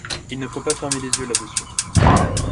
Il ne faut pas fermer les yeux là-dessus.